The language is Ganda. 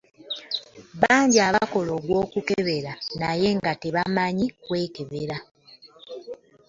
Bangi abakola ogw'okukebera naye nga tebanmanyi kyebakebera.